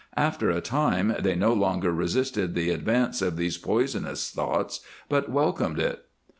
After a time they no longer resisted the advance of these poisonous thoughts, but welcomed it.